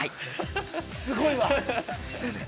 ◆すごいわ。